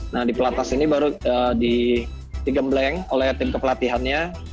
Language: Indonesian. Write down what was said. nah di pelatnas ini baru digembleng oleh tim kepelatihannya